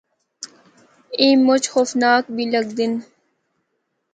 اے مُچ خوفناک بھی لگدے ہن۔